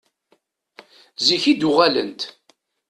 Zik i d-uɣalent.